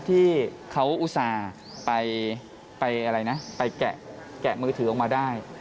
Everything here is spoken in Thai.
ที่เขาอุตส่าห์ไปอะไรนะไปแกะมือถือออกมาได้